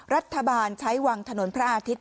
รัฐบาลใช้วังถนนพระอาทิตย